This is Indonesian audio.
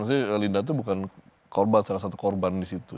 maksudnya linda itu bukan korban salah satu korban di situ